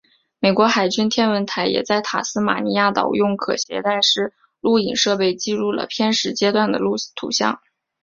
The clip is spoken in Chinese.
美国海军天文台也在塔斯马尼亚岛用可携式录影设备记录了偏食阶段的图像。